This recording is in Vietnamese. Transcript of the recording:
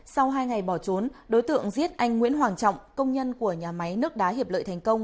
sau hai ngày bỏ trốn đối tượng giết anh nguyễn hoàng trọng công nhân của nhà máy nước đá hiệp lợi thành công